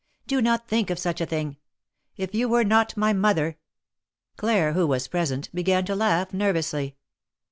Do not think of such a thing. If you were not my mother —" Claire, who was present, began to laugh nervously.